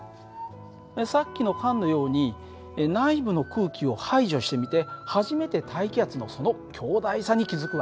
さっきの缶のように内部の空気を排除してみて初めて大気圧のその強大さに気付く訳です。